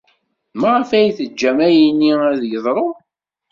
Maɣef ay teǧǧam ayenni ad d-yeḍru?